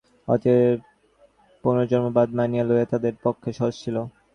অতএব পিথাগোরাসের শিক্ষার ফলে পুনর্জন্মবাদ মানিয়া লওয়া তাহাদের পক্ষে সহজ ছিল।